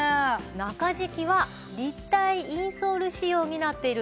中敷きは立体インソール仕様になっているんです。